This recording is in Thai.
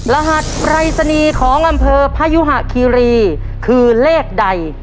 รหัสปรายศนีย์ของอำเภอพยุหะคีรีคือเลขใด